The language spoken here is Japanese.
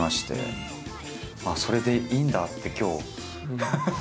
ああそれでいいんだって今日。